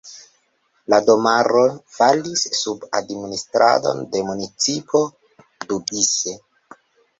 La domaro falis sub administradon de municipo Doubice.